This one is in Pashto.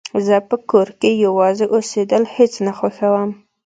زه په کور کې يوازې اوسيدل هيڅ نه خوښوم